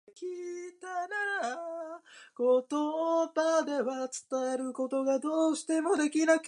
その勢いで辞職した坊っちゃんは東京へ戻り、鉄道会社の技手となった。清を下女として雇い、彼女が死ぬまで一緒に暮らした。